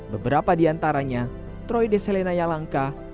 beberapa diantaranya troy deselenaya langka